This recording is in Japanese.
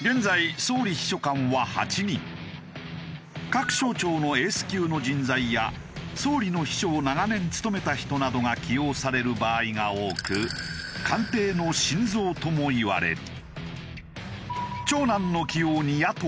各省庁のエース級の人材や総理の秘書を長年務めた人などが起用される場合が多く官邸の心臓ともいわれる。